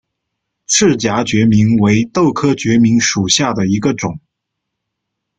翅荚决明为豆科决明属下的一个种。